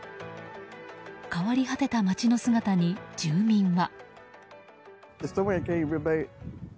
変わり果てた街の姿に住民は。